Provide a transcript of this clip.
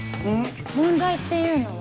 問題っていうのは。